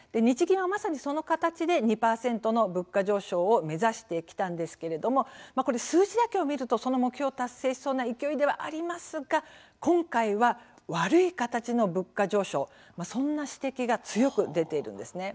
日銀は、まさにその形で２％の物価上昇を目指してきたんですけれども数字だけを見るとその目標を達成しそうな勢いではありますが、今回は悪い形の物価上昇そんな指摘が強く出ているんです。